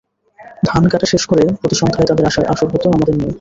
ধান কাটা শেষ করে প্রতি সন্ধ্যায় তাদের আসর হতো আমাদের নিয়ে।